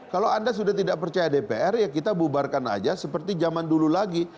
kalau anda sudah tidak percaya dpr ya kita bubarkan aja seperti zaman dulu lagi